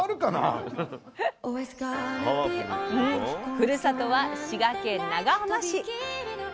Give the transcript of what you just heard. ふるさとは滋賀県長浜市。